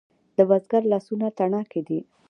د بزګر لاسونه تڼاکې دي؟